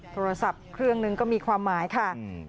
โทรศัพท์เครื่องหนึ่งก็มีความหมายค่ะ